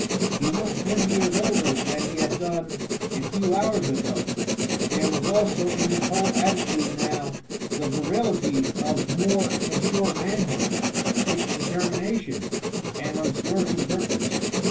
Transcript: He looked twenty years older than he had done a few hours ago, but there was also in his whole attitude now the virility of more mature manhood, its determination and unswerving purpose.